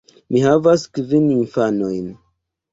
Mi havas kvin infanojn.